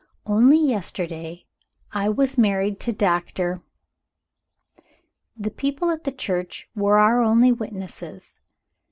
Only yesterday, I was married to Doctor . The people at the church were our only witnesses.